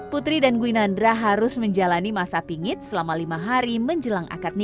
putri dan gwinandra harus menjalani masa pingit selama lima hari menjelang akad nikah